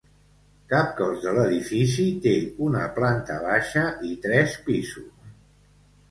Cap cos de l'edifici té una planta baixa i tres pisos.